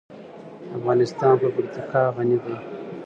افغانستان په پکتیکا غني دی.